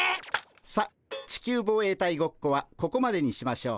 さっ地球防衛隊ごっこはここまでにしましょう。